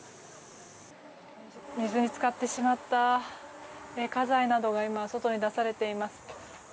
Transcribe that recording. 水に浸かってしまった家財などが外に出されています。